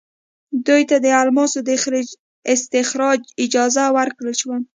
دوی ته د الماسو د استخراج اجازه ورکړل شوه.